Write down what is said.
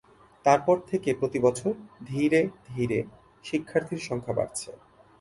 তার পর থেকে প্রতিবছর ধীরে ধীরে শিক্ষার্থীর সংখ্যা বাড়ছে।